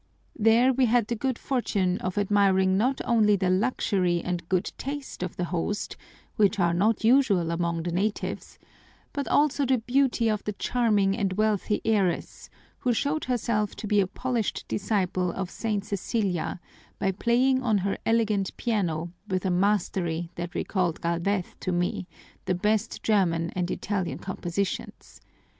There we had the good fortune of admiring not only the luxury and good taste of the host, which are not usual among the natives, but also the beauty of the charming and wealthy heiress, who showed herself to be a polished disciple of St. Cecelia by playing on her elegant piano, with a mastery that recalled Galvez to me, the best German and Italian compositions.